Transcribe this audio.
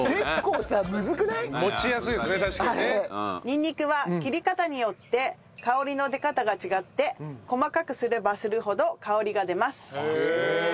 にんにくは切り方によって香りの出方が違って細かくすればするほど香りが出ます。